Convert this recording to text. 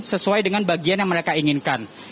sesuai dengan bagian yang mereka inginkan